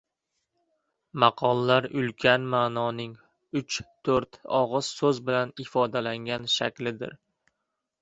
Maqollar ulkan ma’noning uch-to‘rt og‘iz so‘z bilan ifodalangan shaklidir.